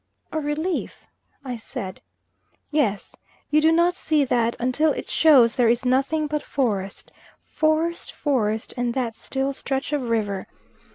"A relief?" I said. "Yes, do you not see that until it shows there is nothing but forest, forest, forest, and that still stretch of river?